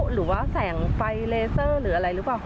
หรือว่าแสงไฟเลเซอร์หรืออะไรหรือเปล่า